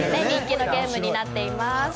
人気のゲームになっています。